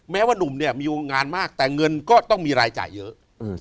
ว่านุ่มเนี่ยมีงานมากแต่เงินก็ต้องมีรายจ่ายเยอะ